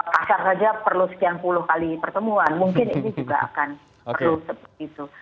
pasar saja perlu sekian puluh kali pertemuan mungkin ini juga akan perlu seperti itu